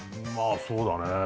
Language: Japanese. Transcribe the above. まあそうだね